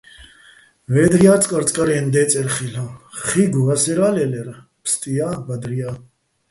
ვედრია́ წკარწკარაჲნო̆ დე́წერ ხილ'აჼ, ხიგო̆ ვასერა́ ლე́ლერ, ფსტია́, ბადრია́.